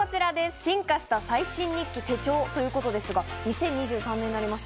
進化した最新日記・手帳ということですが２０２３年になりました。